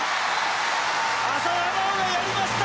浅田真央がやりました！